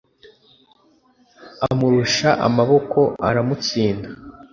amurusha amaboko, aramutsinda